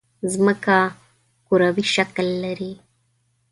مځکه کروي شکل لري.